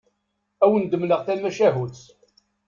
Ad awen-d-mleɣ tamacahut.